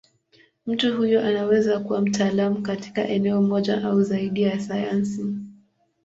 Mtu huyo anaweza kuwa mtaalamu katika eneo moja au zaidi ya sayansi.